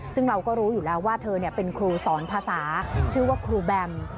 ซึ่งเราก็รู้อยู่แล้วว่าเธอเป็นครูสอนภาษาชื่อว่าครูแบม